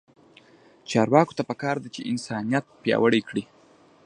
چارواکو ته پکار ده چې، انسانیت پیاوړی کړي.